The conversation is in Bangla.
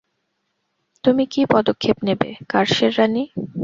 তুমি কী পদক্ষেপ নেবে, কার্সের রানী?